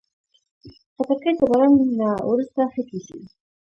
خټکی د باران نه وروسته ښه کېږي.